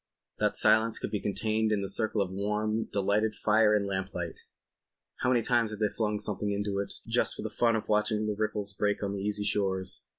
That silence could be contained in the circle of warm, delightful fire and lamplight. How many times hadn't they flung something into it just for the fun of watching the ripples break on the easy shores.